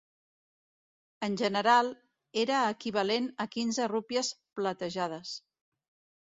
En general, era equivalent a quinze rupies platejades.